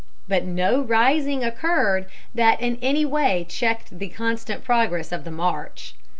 But no rising occurred that in any way checked the constant progress of the march.